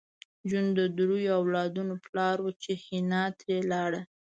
جون د دریو اولادونو پلار و چې حنا ترې لاړه